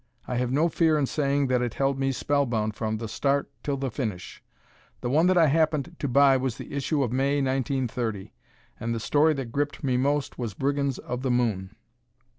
I have no fear in saying that it held me spellbound from the start till the finish. The one that I happened to buy was the issue of May, 1930, and the story that gripped me most was "Brigands of the Moon."